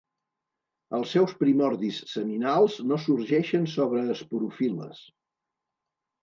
Els seus primordis seminals no sorgeixen sobre esporofil·les.